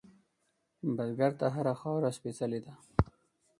بزګر ته هره خاوره سپېڅلې ده